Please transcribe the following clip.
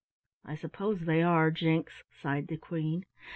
"I suppose they are, Jinks," sighed the Queen.